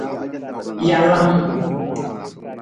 Jalang.